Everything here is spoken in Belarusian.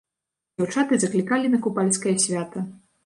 Дзяўчаты заклікалі на купальскае свята.